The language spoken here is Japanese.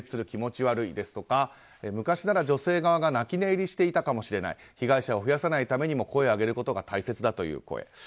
気持ち悪いですとか昔なら、女性側が泣き寝入りしていたかもしれない被害者を増やさないためにも声を上げることが大切だという声。